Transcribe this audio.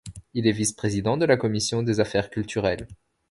Il est vice-président de la commission des affaires culturelles.